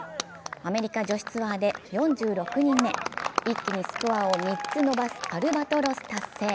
アメリカ女子ツアーで４６人目一気にスコアを３つ伸ばすアルバトロス達成。